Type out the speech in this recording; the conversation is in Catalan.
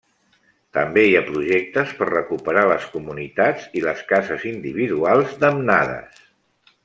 També hi ha projectes per recuperar les comunitats i les cases individuals damnades.